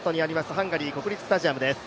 ハンガリー国立スタジアムです。